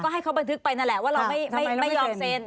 ให้เขาบันทึกไปนั่นแหละว่าเราไม่ยอมเซ็น